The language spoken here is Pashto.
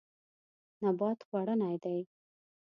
نبات خوړنی دی.